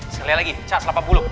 sekali lagi cas delapan puluh